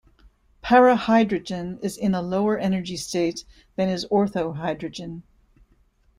Parahydrogen is in a lower energy state than is orthohydrogen.